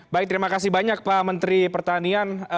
baik terima kasih banyak pak menteri pertanian